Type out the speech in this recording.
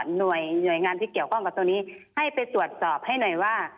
หน่วยงานที่เกี่ยวข้องกับตรงนี้ให้ไปตรวจสอบให้หน่อยว่า